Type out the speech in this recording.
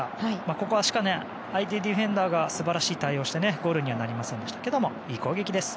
ここは相手ディフェンダーが素晴らしいディフェンスをしてゴールにはなりませんでしたがいい攻撃です。